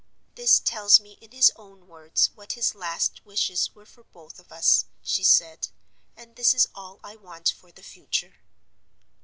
'This tells me in his own words what his last wishes were for both of us,' she said; 'and this is all I want for the future.